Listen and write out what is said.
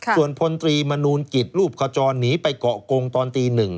ส่วนพลตรีมนูลกิจรูปกระจ่อนหนีไปเกาะกงตอนตีหนึ่ง